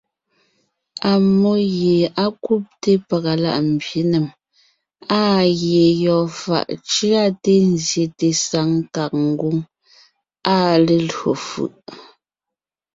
Ammó gie á kúbe pàga láʼ mbyěnèm, áa ngie yɔɔn fàʼ cʉate nzyete saŋ kàg ngwóŋ, áa lelÿò fʉ̀ʼ.